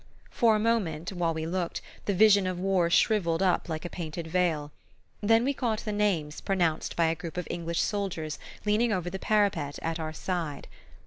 For a moment, while we looked, the vision of war shrivelled up like a painted veil; then we caught the names pronounced by a group of English soldiers leaning over the parapet at our side.